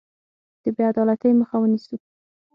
د بې عدالتۍ مخه ونیسو.